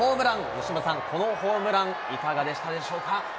由伸さん、このホームラン、いかがでしたでしょうか。